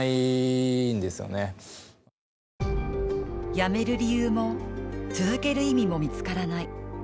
辞める理由も、続ける意味も見つからない。